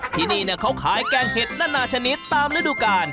ที่นี่เขาขายแกงเห็ดนานาชนิดตามฤดูกาล